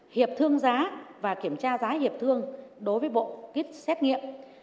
hiệp thương giá và kiểm tra giá hiệp thương đối với bộ kit xét nghiệm